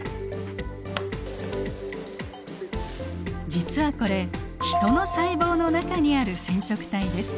実はこれヒトの細胞の中にある染色体です。